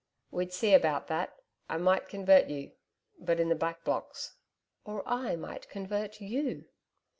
'We'd see about that. I might convert you but in the Back Blocks.' 'Or I might convert YOU.'